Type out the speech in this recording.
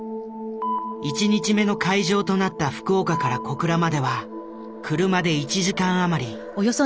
１日目の会場となった福岡から小倉までは車で１時間余り。